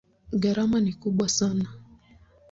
Gharama ni kubwa sana.